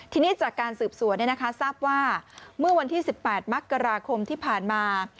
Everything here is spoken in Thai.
ทีนี้จากการสืบสวนเนี่ยนะคะทราบว่าเมื่อวันที่๑๘มคที่ผ่านมา